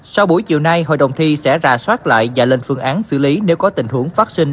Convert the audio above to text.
sau buổi chiều nay hội đồng thi sẽ ra soát lại và lên phương án xử lý nếu có tình huống phát sinh